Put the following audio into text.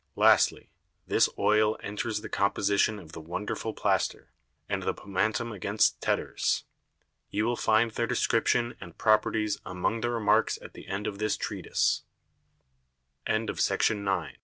Lastly, This Oil enters the Composition of the wonderful Plaister, and the Pomatum against Tetters. You will find their Description and Properties among the Remarks at the End of this Treatise. REMARKS Upon s